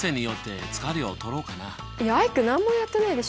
いやアイク何もやってないでしょ。